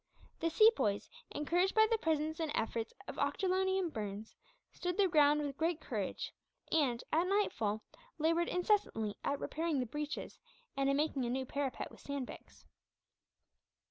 The Sepoys, encouraged by the presence and efforts of Ochterlony and Burns, stood their ground with great courage and, at nightfall, laboured incessantly at repairing the breaches, and in making a new parapet with sandbags.